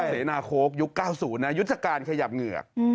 เสนาโค้กยุค๙๐นะยุทธการขยับเหงือก